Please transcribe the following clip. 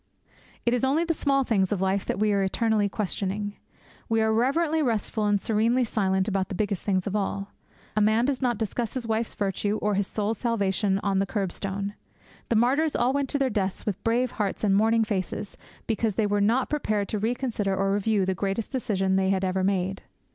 It is only the small things of life that we are eternally questioning. We are reverently restful and serenely silent about the biggest things of all. A man does not discuss his wife's virtue or his soul's salvation on the kerbstone. The martyrs all went to their deaths with brave hearts and morning faces, because they were not prepared to reconsider or review the greatest decision they had ever made.